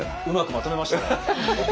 うまくまとめましたね。